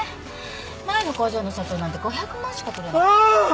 前の工場の社長なんて５００万しかくれなかった。